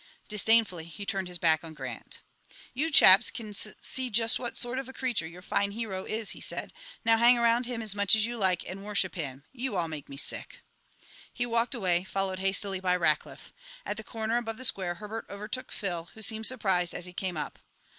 Disdainfully he turned his back on Grant. "You chaps can sus see just what sort of a creature your fine hero is," he said. "Now hang around him as much as you like, and worship him. You all make me sick!" He walked away, followed hastily by Rackliff. At the corner above the square Herbert overtook Phil, who seemed surprised as he came up.